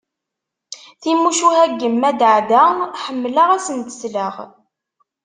Timucuha n yemma Daɛda ḥemmleɣ ad asent-sleɣ.